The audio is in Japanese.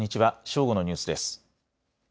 正午のニュースです。